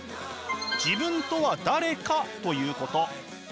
自分とは誰か？ということ。